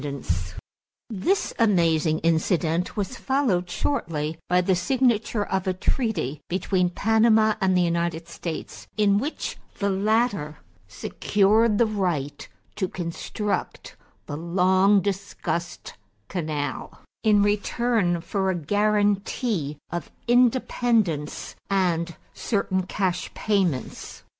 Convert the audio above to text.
JUNE, 1913] This amazing incident was followed shortly by the signature of a treaty between Panama and the United States in which the latter secured the right to construct the long discussed canal, in return for a guarantee of independence and certain cash payments.